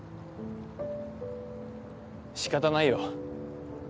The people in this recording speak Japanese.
仕方ないよ。